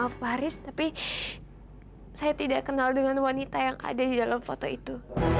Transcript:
maaf faris tapi saya tidak kenal dengan wanita yang ada di dalam foto itu